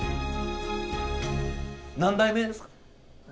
何代目ですか？